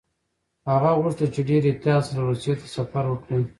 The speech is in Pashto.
هغه غوښتل چې په ډېر احتیاط سره روسيې ته سفر وکړي.